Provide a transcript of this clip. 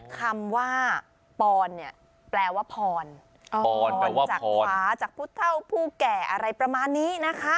คำว่าน่ะแปลว่าพรอะพรแปลว่าพรจากภาจากพุทธเท่าผู้แก่อะไรประมาณนี้